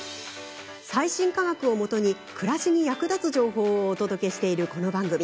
最新科学をもとに暮らしに役立つ情報をお届けしているこの番組。